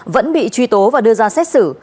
vẫn bị truy tố và đưa ra xét xử